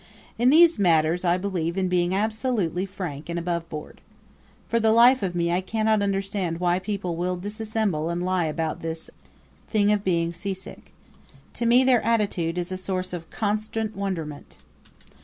In these matters I believe in being absolutely frank and aboveboard. For the life of me I cannot understand why people will dissemble and lie about this thing of being seasick. To me their attitude is a source of constant wonderment.